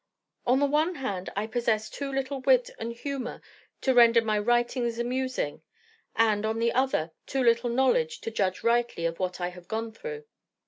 On the one hand I possess too little wit and humour to render my writings amusing; and, on the other, too little knowledge to judge rightly of what I have gone through.